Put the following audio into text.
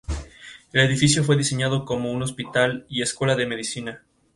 El edificio fue diseñado como un hospital y escuela de medicina.